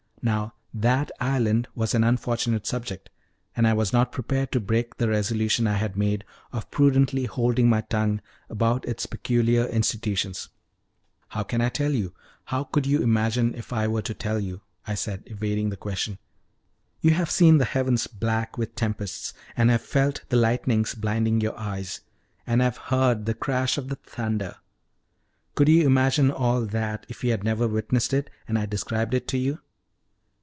Now "that island" was an unfortunate subject, and I was not prepared to break the resolution I had made of prudently holding my tongue about its peculiar institutions. "How can I tell you? how could you imagine it if I were to tell you?" I said, evading the question. "You have seen the heavens black with tempests, and have felt the lightnings blinding your eyes, and have heard the crash of the thunder: could you imagine all that if you had never witnessed it, and I described it to you?"